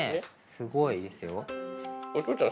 すごいですよ。